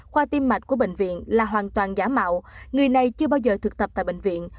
khoa tiêm mạch của bệnh viện là hoàn toàn giả mạo người này chưa bao giờ thực tập tại bệnh viện